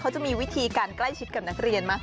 เขาจะมีวิธีการใกล้ชิดกับนักเรียนมาก